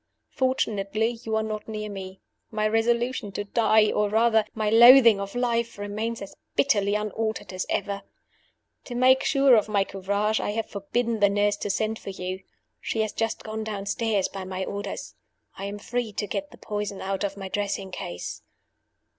Fortunately, you are not near me my resolution to die, or, rather, my loathing of life, remains as bitterly unaltered as ever. To make sure of my courage, I have forbidden the nurse to send for you. She has just gone downstairs by my orders. I am free to get the poison out of my dressing case.